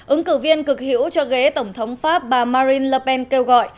ứng cử viên cực hiểu cho ghế tổng thống pháp bà marine le pen kêu gọi